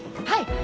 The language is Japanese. はい。